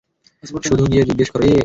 শুধু গিয়ে জিজ্ঞেস কর।